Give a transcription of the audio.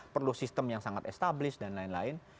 perlu sistem yang sangat established dan lain lain